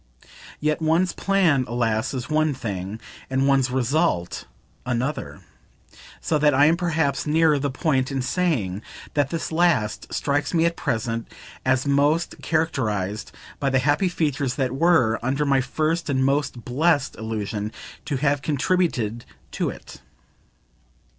Yet one's plan, alas, is one thing and one's result another; so that I am perhaps nearer the point in saying that this last strikes me at present as most characterised by the happy features that WERE, under my first and most blest illusion, to have contributed to it.